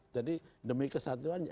jadi demi kesatuan